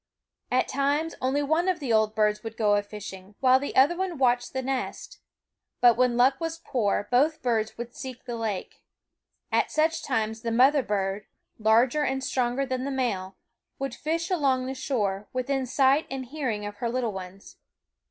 At times only one of the old birds would go a fishing, while the other watched the nest. But when luck was poor both birds would seek the lake. At such times the mother bird, larger and stronger than the male, would fish along the shore, within sight and hearing of her little ones.